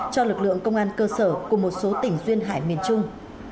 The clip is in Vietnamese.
cho lực lượng công an cơ sở của một số tỉnh duyên hải miền trung